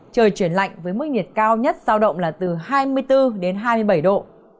trời chuyển lạnh với mức nhiệt cao nhất giao động là từ hai mươi bốn đến hai mươi bảy độ